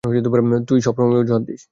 তুই সবসময় অজুহাত দিস!